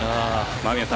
間宮さん